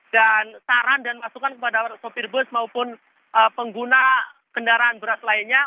dan saran dan masukan kepada sopir bus maupun pengguna kendaraan beras lainnya